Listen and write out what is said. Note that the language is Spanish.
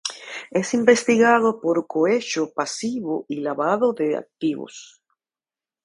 Es investigado por cohecho pasivo y lavado de activos.